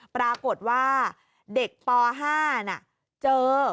ปรากฏว่าเด็กป๕เจอ